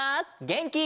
げんき！